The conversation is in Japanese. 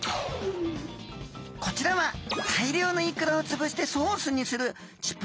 こちらは大量のイクラをつぶしてソースにするあっ